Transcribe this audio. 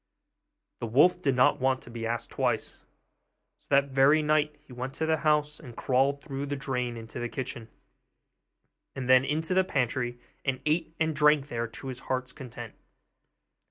The wolf did not want to be asked twice; so that very night he went to the house and crawled through the drain into the kitchen, and then into the pantry, and ate and drank there to his heart's content.